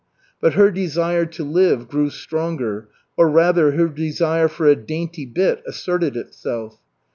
But her desire to live grew stronger, or, rather, her desire for "a dainty bit" asserted itself.